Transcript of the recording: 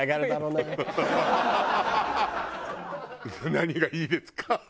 何がいいですか？